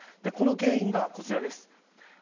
この原因がこちらです。